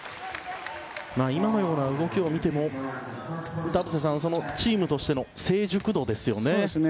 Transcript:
今のような動きを見ても田臥さんチームとしての成熟度ですよね。